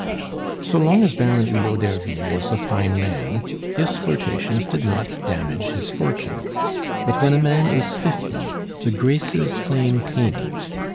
So long as Baron Hulot d'Ervy was a fine man, his flirtations did not damage his fortune; but when a man is fifty, the Graces claim payment.